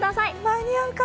間に合うかな？